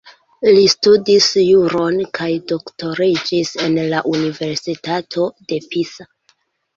Li studis juron kaj doktoriĝis en la Universitato de Pisa.